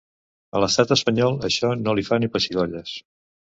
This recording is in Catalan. A l’estat espanyol això no li fa ni pessigolles.